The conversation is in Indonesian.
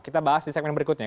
kita bahas di segmen berikutnya